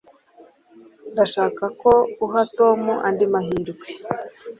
Ndashaka ko uha Tom andi mahirwe.